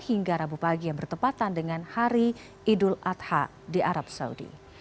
hingga rabu pagi yang bertepatan dengan hari idul adha di arab saudi